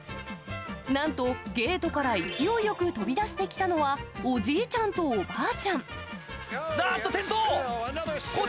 なんとゲートから勢いよく飛び出してきたのは、おじいちゃんとおあーっと、転倒！